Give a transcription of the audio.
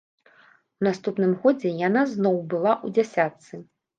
У наступным годзе яна зноў была ў дзесятцы.